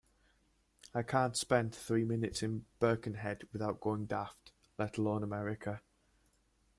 I can't spent three minutes in Birkenhead without going daft, let alone America.